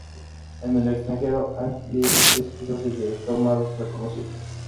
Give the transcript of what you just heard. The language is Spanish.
En el extranjero, Ang Lee es quizás el director más reconocido.